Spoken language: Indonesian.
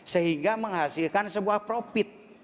sehingga menghasilkan sebuah profit